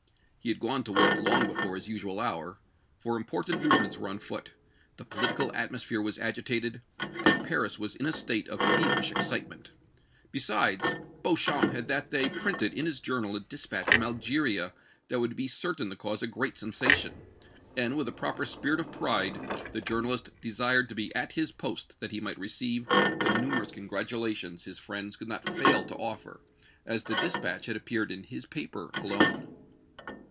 He had gone to work long before his usual hour, for important movements were on foot, the political atmosphere was agitated and Paris was in a state of feverish excitement; besides, Beauchamp had that day printed in his journal a dispatch from Algeria that would be certain to cause a great sensation, and, with the proper spirit of pride, the journalist desired to be at his post that he might receive the numerous congratulations his friends could not fail to offer, as the dispatch had appeared in his paper alone.